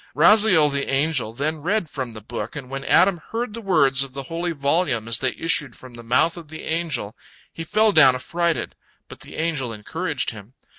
Raziel, the angel, then read from the book, and when Adam heard the words of the holy volume as they issued from the mouth of the angel, he fell down affrighted. But the angel encouraged him.